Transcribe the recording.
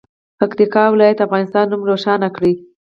پکتیکا ولایت د افغانستان نوم روښانه کړي.